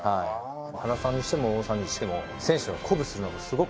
原さんにしても王さんにしても選手を鼓舞するのがすごく上手だなっていう。